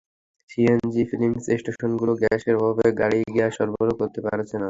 CNG filling স্টেশনগুলোও গ্যাসের অভাবে গাড়িতে গ্যাস সরবরাহ করতে পারছে না।